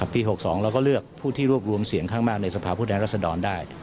ปี๖๒เราก็เลือกผู้ที่รวบรวมเสียงข้างมากในสภาพผู้แทนรัศดรได้